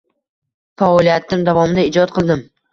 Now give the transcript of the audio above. Faoliyatim davomida ijod qildim